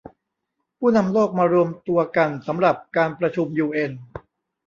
ผู้นำโลกมารวมตัวกันสำหรับการประชุมยูเอ็น